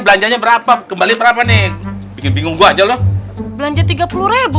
belanjanya berapa kembali berapa nih bingung bingung gua aja loh belanja tiga puluh